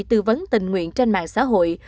tư vấn tình nguyện trên mạng xã hội